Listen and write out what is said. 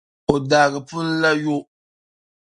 O daagi pun'la yo.